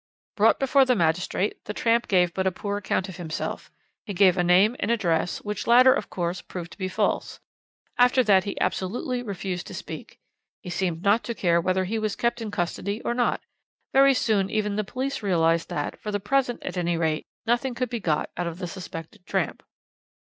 "Brought before the magistrate, the tramp gave but a poor account of himself. He gave a name and address, which latter, of course, proved to be false. After that he absolutely refused to speak. He seemed not to care whether he was kept in custody or not. Very soon even the police realized that, for the present, at any rate, nothing could be got out of the suspected tramp.